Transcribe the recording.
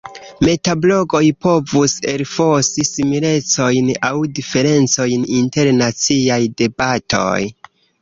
Metablogoj povus elfosi similecojn aŭ diferencojn inter naciaj debatoj.